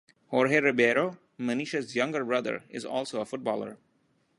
Jorge Ribeiro, Maniche's younger brother, is also a footballer.